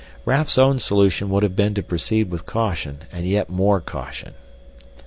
Raf's own solution would have been to proceed with caution and yet more caution.